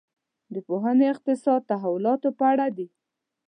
دا پوهنې اقتصادي تحولاتو په اړه دي.